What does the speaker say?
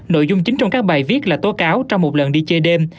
nội dung chính trong các bài viết là tố cáo trong một lần đi chơi đêm